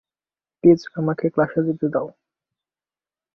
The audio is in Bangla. প্লিজ, আমাকে ক্লাসে যেতে দাও।